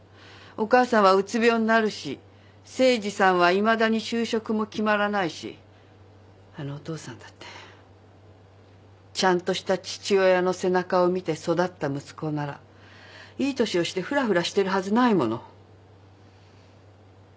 お母さんはうつ病になるし誠治さんはいまだに就職も決まらないしあのお父さんだって。ちゃんとした父親の背中を見て育った息子ならいい年をしてふらふらしてるはずないもの。